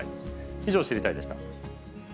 以上、知りたいッ！でした。